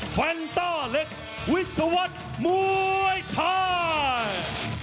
ฟันตาเล็กวิทวัฒน์มวยไทย